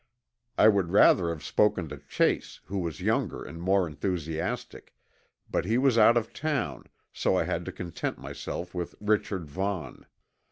I would rather have spoken to Chase, who was younger and more enthusiastic, but he was out of town, so I had to content myself with Richard Vaughn.